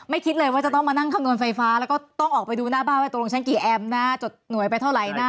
คิดเลยว่าจะต้องมานั่งคำนวณไฟฟ้าแล้วก็ต้องออกไปดูหน้าบ้านว่าตกลงฉันกี่แอมป์นะจดหน่วยไปเท่าไหร่นะ